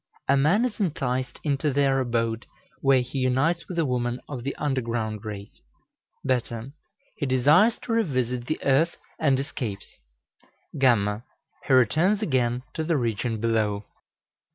A man is enticed into their abode, where he unites with a woman of the underground race. β. He desires to revisit the earth, and escapes. γ. He returns again to the region below.